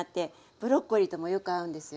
ブロッコリーともよく合うんですよ。